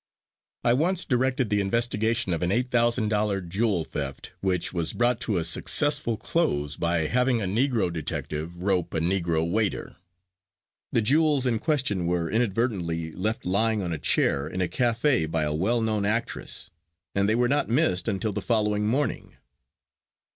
I once directed the investigation of an $8,000.00 jewel theft which was brought to a successful close by having a negro detective "rope" a negro waiter. The jewels in question were inadvertently left lying on a chair in a cafe by a well known actress, and they were not missed until the following morning.